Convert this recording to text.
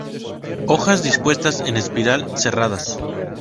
Hojas dispuestas en espiral, serradas.